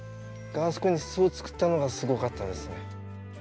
があそこに巣を作ったのがすごかったですね。